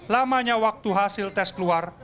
lamanya waktu hasil tes keluar